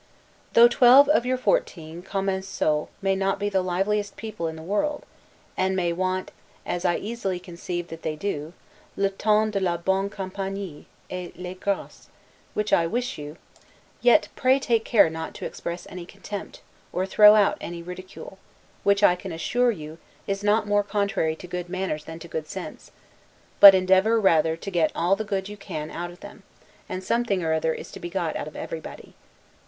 Though twelve of your fourteen 'Commensaux' may not be the liveliest people in the world, and may want (as I easily conceive that they do) 'le ton de la bonne campagnie, et les graces', which I wish you, yet pray take care not to express any contempt, or throw out any ridicule; which I can assure you, is not more contrary to good manners than to good sense: but endeavor rather to get all the good you can out of them; and something or other is to be got out of everybody.